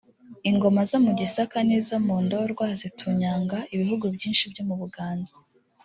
ingoma zo mu Gisaka n’izo mu Ndorwa zitunyaga ibihugu byinshi byo mu Buganza